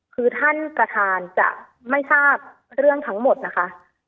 คือท่านประธานจะไม่ทราบเรื่องทั้งหมดนะคะ